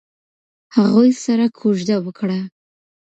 هغوی سره کوژده وکړه.